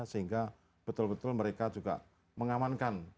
sehingga betul betul mereka juga mengamankan